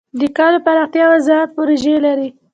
د کلیو پراختیا وزارت پروژې لري؟